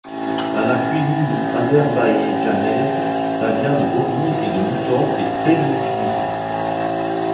Dans la cuisine azerbaïdjanaise, la viande bovine et de mouton est très utilisée.